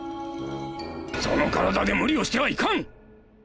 その体で無理をしてはいかん！